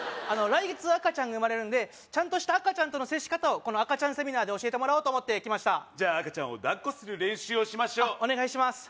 来月赤ちゃんが生まれるんでちゃんとした赤ちゃんとの接し方をこの赤ちゃんセミナーで教えてもらおうと思って来ましたじゃあ赤ちゃんをだっこする練習をしましょうお願いします